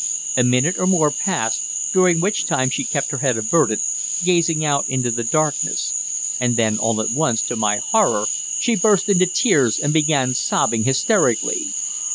A minute or more passed, during which time she kept her head averted, gazing out into the darkness. And then all at once, to my horror, she burst into tears, and began sobbing hysterically.